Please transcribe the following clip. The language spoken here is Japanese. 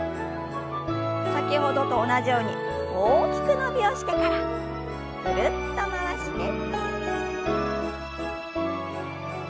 先ほどと同じように大きく伸びをしてからぐるっと回して。